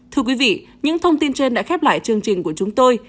thưa quý vị những thông tin trên đã khép lại chương trình của chúng tôi